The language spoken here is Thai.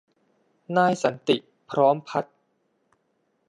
นายสันติ พร้อมพัฒน์